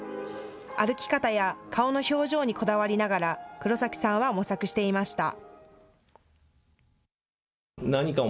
歩き方や顔の表情にこだわりながら黒崎さんは模索していました。